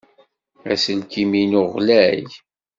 Aselkim-inu ɣlay.